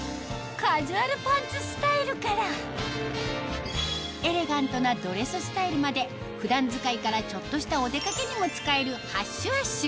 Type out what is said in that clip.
カジュアルパンツスタイルからエレガントなドレススタイルまで普段使いからちょっとしたお出かけにも使えるＨｕｓＨｕｓＨ